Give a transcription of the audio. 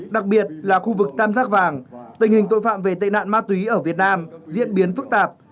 đặc biệt là khu vực tam giác vàng tình hình tội phạm về tệ nạn ma túy ở việt nam diễn biến phức tạp